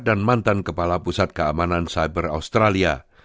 dan mantan kepala pusat keamanan cyber australia